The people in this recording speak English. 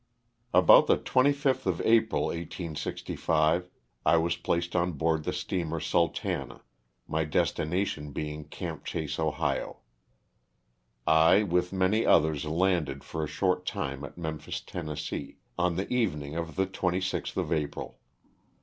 About the 25th of April, 1865, 1 was placed on board the steamer "Sultana," my destination being "Camp Chase," Ohio. I, with many others, landed for a short time at Memphis, Tenn., on the evening of the 26th of April.